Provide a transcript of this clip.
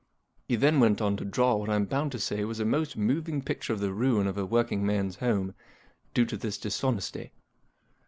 He then went on to draw what I'm bound to say was a most moving picture of the ruin of a working man's home, due to this dishonesty.